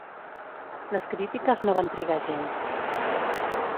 Les crítiques no van trigar gens.